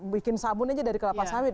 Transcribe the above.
bikin sabun aja dari kelapa sawit